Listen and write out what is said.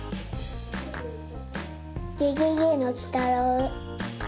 ゲゲゲのきたろう。